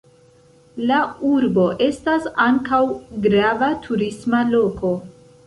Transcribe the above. La urbo estas ankaŭ grava turisma loko.